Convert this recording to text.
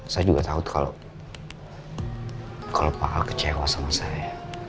saya juga takut kalau pak al kecewa sama saya